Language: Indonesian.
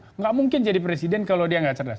tidak mungkin jadi presiden kalau dia nggak cerdas